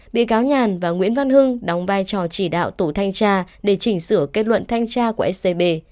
bà nhàn và nguyễn văn hưng đóng vai trò chỉ đạo tủ thanh tra để chỉnh sửa kết luận thanh tra của scb